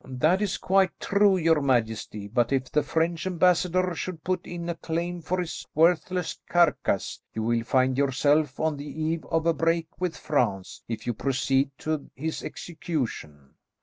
"That is quite true, your majesty, but if the French ambassador should put in a claim for his worthless carcass, you will find yourself on the eve of a break with France, if you proceed to his execution."